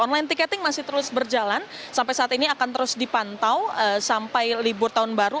online ticketing masih terus berjalan sampai saat ini akan terus dipantau sampai libur tahun baru